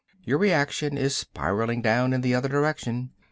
Your reaction is spiraling down in the other direction.